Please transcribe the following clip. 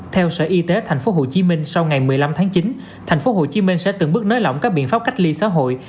theo sở y tế tp hcm sau ngày một mươi năm tháng chín tp hcm sẽ từng bước nới lỏng các biện pháp cách ly xã hội